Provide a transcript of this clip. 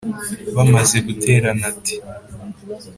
bamaze guterana, ati: